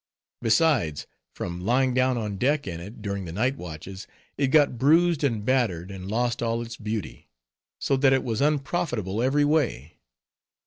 Besides, from lying down on deck in it, during the night watches, it got bruised and battered, and lost all its beauty; so that it was unprofitable every way.